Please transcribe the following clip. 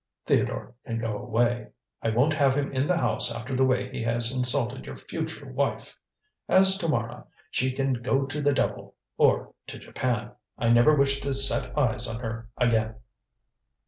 Theodore can go away. I won't have him in the house after the way he has insulted your future wife. As to Mara, she can go to the devil! or to Japan. I never wish to set eyes on her again!"